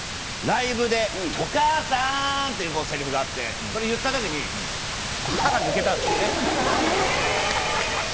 ライブで、お母さんっていうせりふがあって、それ言ったときに、歯が抜けたんですよね。